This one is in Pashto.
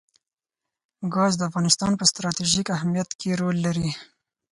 ګاز د افغانستان په ستراتیژیک اهمیت کې رول لري.